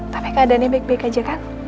tapi keadaannya baik baik aja kan